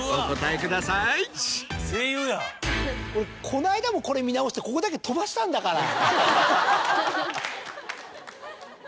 この間もこれ見直してここだけ飛ばしたんだから！